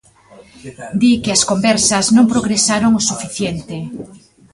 Di que as conversas non progresaron o suficiente.